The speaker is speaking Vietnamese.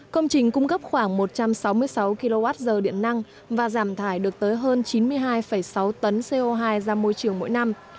công trình cung cấp khoảng một trăm sáu mươi sáu kwh điện năng và giảm thải được tới hơn chín mươi hai sáu tấn co hai ra môi trường mỗi năm